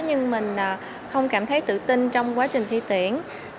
em cũng cảm thấy tự tin trong quá trình thi tuyển